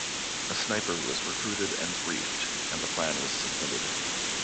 A sniper was recruited and briefed, and the plan was submitted.